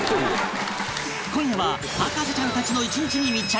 今夜は博士ちゃんたちの一日に密着！